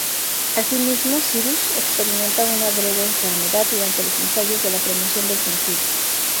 Asimismo Cyrus experimenta una breve enfermedad durante los ensayos de la promoción del sencillo.